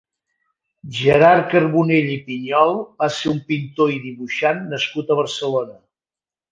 Gerard Carbonell i Piñol va ser un pintor i dibuixant nascut a Barcelona.